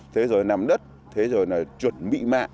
thế rồi nằm đất thế rồi là chuẩn bị mạng